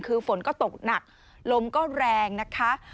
คือฝนก็ตกหนักลมก็แรงนะคะ